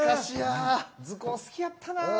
図工、好きやったな。